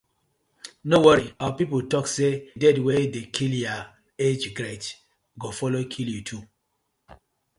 No worry, our pipu tok say di death wey di kill yah age grade go follow kill yu too.